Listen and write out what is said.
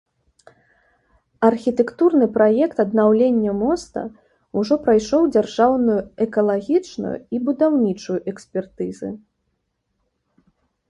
Архітэктурны праект аднаўлення моста ўжо прайшоў дзяржаўную экалагічную і будаўнічую экспертызы.